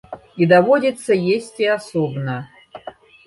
І даводзіцца есці асобна.